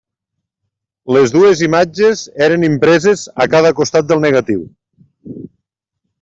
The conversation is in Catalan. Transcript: Les dues imatges eren impreses a cada costat del negatiu.